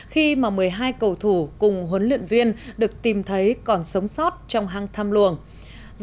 khi mà một mươi hai cầu thủ cùng huấn luyện viên được tìm thấy còn sống sót trong hang thăm luồng